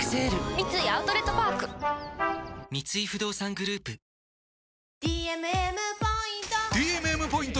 三井アウトレットパーク三井不動産グループそうそう！